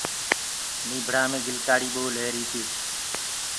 نيبڙآ مينٚ گِلڪآڙي پول رهيريٚ هي۔